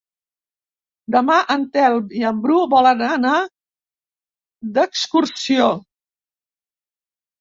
Demà en Telm i en Bru volen anar d'excursió.